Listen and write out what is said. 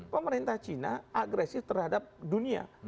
pemerintah cina agresif terhadap dunia